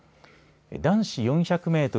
男子４００メートル